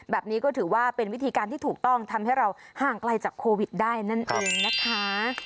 แบบนี้ก็ถือว่าเป็นวิธีการที่ถูกต้องทำให้เราห่างไกลจากโควิดได้นั่นเองนะคะ